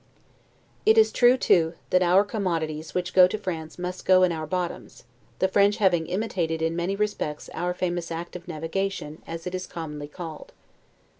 It is true, too, that our commodities which go to France, must go in our bottoms; the French having imitated in many respects our famous Act of Navigation, as it is commonly called.